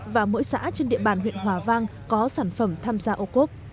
và mỗi xã trên địa bàn huyện hòa vang có sản phẩm tham gia ocope